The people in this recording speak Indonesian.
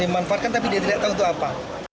dimanfaatkan tapi dia tidak tahu untuk apa